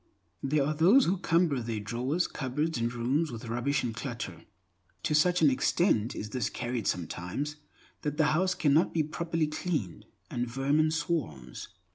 There are those who cumber their drawers, cupboards, and rooms with rubbish and clutter. To such an extent is this carried sometimes, that the house cannot be properly cleaned, and vermin swarms.